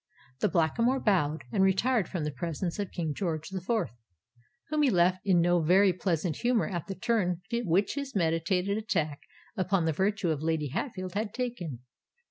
The Blackamoor bowed, and retired from the presence of King George the Fourth, whom he left in no very pleasant humour at the turn which his meditated attack upon the virtue of Lady Hatfield had taken.